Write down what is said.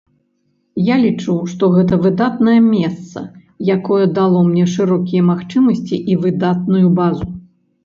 Я лічу, што гэта выдатнае месца, якое дало мне шырокія магчымасці і выдатную базу.